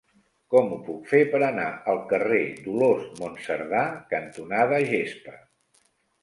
Com ho puc fer per anar al carrer Dolors Monserdà cantonada Gespa?